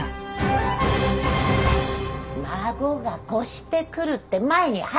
孫が越してくるって前に話したでしょ。